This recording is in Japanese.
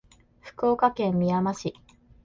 福岡県みやま市